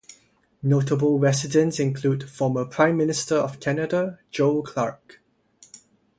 Notable residents include former Prime Minister of Canada, Joe Clark.